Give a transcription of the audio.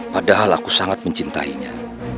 padahal aku sangat mencintainya